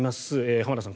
浜田さん